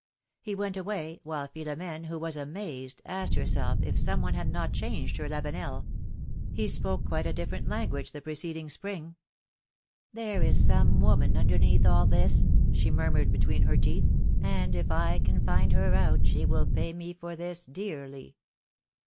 He went away, while Philom^ne, who w^as amazed, 300 PHILOMi^NE's MARRIAGES. asked herself if some one had not changed her Lavenel. He spoke quite a different language the preceding spring. There is some woman underneath all this/' she mur mured between her teeth, and if I can find her out, she shall pay me for this dearly."